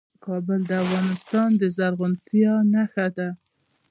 کابل د افغانستان د زرغونتیا نښه ده.